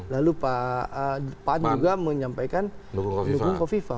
lalu pak pan juga menyampaikan mendukung kofifa